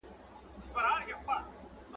ملي شورا نړیوال قانون نه نقض کوي.